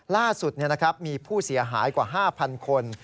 ล่าสุดมีผู้เสียหายกว่า๕๐๐คน